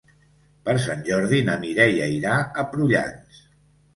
Per Sant Jordi na Mireia irà a Prullans.